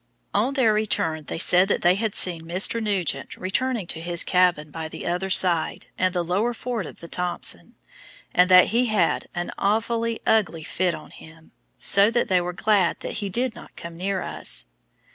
On their return they said that they had seen Mr. Nugent returning to his cabin by the other side and the lower ford of the Thompson, and that he had "an awfully ugly fit on him," so that they were glad that he did not come near us.